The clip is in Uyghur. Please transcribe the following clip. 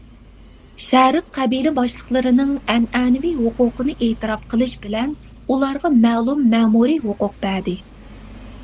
شەرق قەبىلە باشلىقلىرىنىڭ ئەنئەنىۋى ھوقۇقىنى ئېتىراپ قىلىش بىلەن ئۇلارغا مەلۇم مەمۇرىي ھوقۇق بەردى.